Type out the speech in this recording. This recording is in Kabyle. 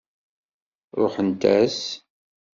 Ṛuḥent-as.